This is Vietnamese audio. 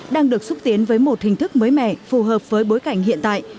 đang được xúc tiến với một hình thức mới mẻ phù hợp với bối cảnh hiện tại